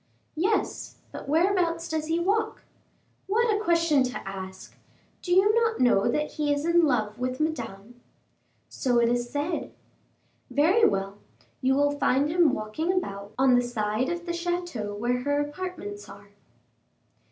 "Yes; but whereabouts does he walk?" "What a question to ask! Do you not know that he is in love with Madame?" "So it is said." "Very well; you will find him walking about on the side of the chateau where her apartments are."